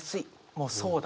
もうそうだな。